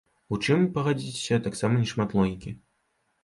У чым, пагадзіцеся, таксама не шмат логікі.